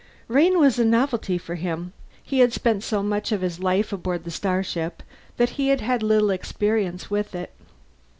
Rain was a novelty for him; he had spent so much of his life aboard the starship that he had had little experience with it.